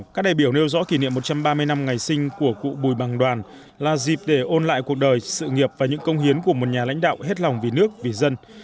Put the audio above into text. các đại biểu nêu rõ kỷ niệm một trăm ba mươi năm ngày sinh của cụ bùi bằng đoàn là dịp để ôn lại cuộc đời sự nghiệp và những công hiến của một nhà lãnh đạo hết lòng vì nước vì dân